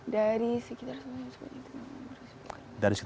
dari sekitar sepuluh juta penduduk di rumah faye